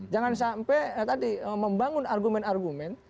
jangan sampai tadi membangun argumen argumen